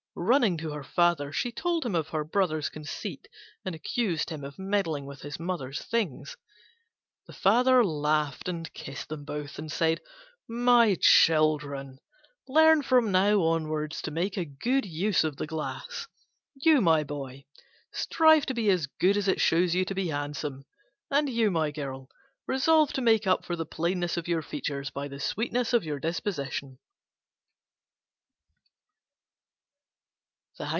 Running to her father, she told him of her Brother's conceit, and accused him of meddling with his mother's things. He laughed and kissed them both, and said, "My children, learn from now onwards to make a good use of the glass. You, my boy, strive to be as good as it shows you to be handsome; and you, my girl, resolve to make up for the plainness of your features by the sweetness of your disposition."